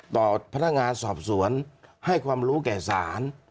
ต่อพนักงานสอบสวนให้ความรู้แก่ศาล